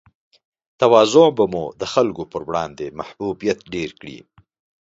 تواضع به مو د خلګو پر وړاندې محبوبیت ډېر کړي